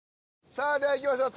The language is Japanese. さあではいきましょう